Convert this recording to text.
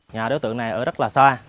nhà đối tượng này ở rất là xa